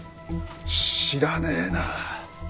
知らねえなあ。